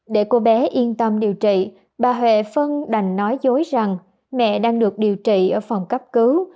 để cô bé yên tâm điều trị bà huệ phân đành nói dối rằng mẹ đang được điều trị ở phòng cấp cứu